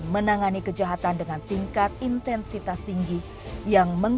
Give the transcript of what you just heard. mereka itu ngapain sih bang